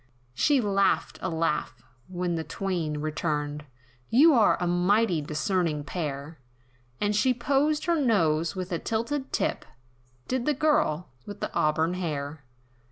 She laughed a laugh, when the twain returned, "You're a mighty discerning pair!" And she posed her nose, with a tilted tip, Did the girl, with the auburn hair.